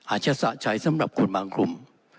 สะใจสำหรับคนบางกลุ่ม